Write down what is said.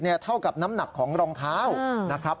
เท่ากับน้ำหนักของรองเท้านะครับ